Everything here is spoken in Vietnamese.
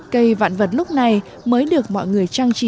cây vạn vật lúc này mới được mọi người trang trí